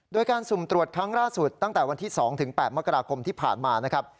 โดยการสุ่มตรวจครั้งล่าสุดตั้งแต่วันที่๒๘มกราคมที่ผ่านมานะครับ